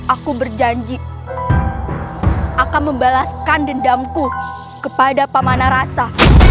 aku berjanji akan membalaskan dendamku kepada pamanarasa